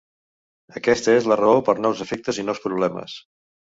Aquesta és la raó per nous efectes i nous problemes.